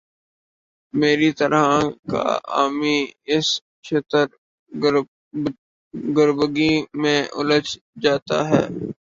میری طرح کا عامی اس شتر گربگی میں الجھ جاتا ہے۔